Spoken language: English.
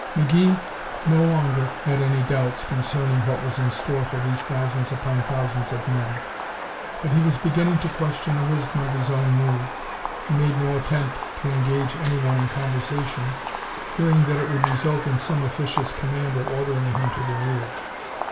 McGee no longer had any doubts concerning what was in store for these thousands upon thousands of men, but he was beginning to question the wisdom of his own move. He made no attempt to engage anyone in conversation, fearing that it would result in some officious commander ordering him to the rear.